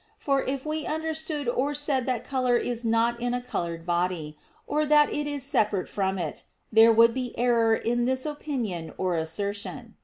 For if we understood or said that color is not in a colored body, or that it is separate from it, there would be error in this opinion or assertion.